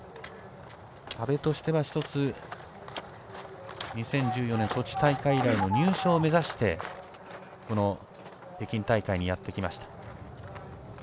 阿部としては１つ２０１４年ソチ大会以来の入賞を目指して北京大会にやってきました。